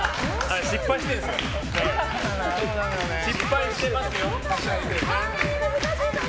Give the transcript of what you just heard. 失敗してますよ。